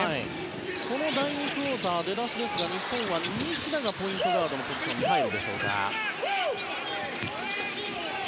この第２クオーターの出だしですが日本は西田がポイントガードのポジションに入っているか。